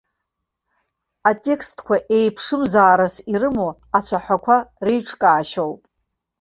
Атекстқәа еиԥшымзаарас ирымоу ацәаҳәақәа реиҿкаашьоуп.